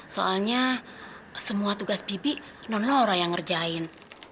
soalnya semua tugas bibi non loro yang ngerjain